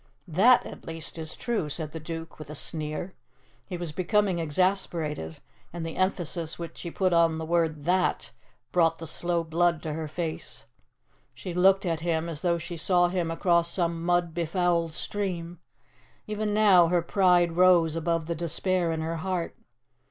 "That, at least, is true," said the Duke, with a sneer. He was becoming exasperated, and the emphasis which he put on the word 'that' brought the slow blood to her face. She looked at him as though she saw him across some mud befouled stream. Even now her pride rose above the despair in her heart.